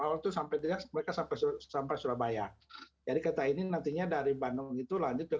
awal tuh sampai dia sempat sampai surabaya jadi kata ini nantinya dari bandung itu lanjut ke